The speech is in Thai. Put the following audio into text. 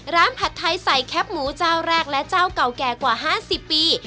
ผัดไทยใส่แคปหมูเจ้าแรกและเจ้าเก่าแก่กว่า๕๐ปี